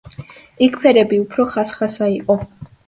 იქ ფერები უფრო ხასხასა იყო.